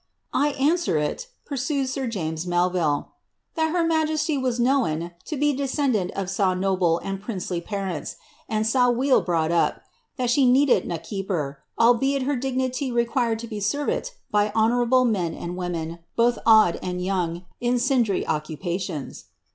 " I answerit," pursues sir James 3Ielville, "' that her majesty was knowen to be descendit of sa noble and princelie parents, and sa weel brought up, that she needit na keeper, albeit her dignity re quired to be servit by honourable men and women, both auld and young, in sindre occupations.'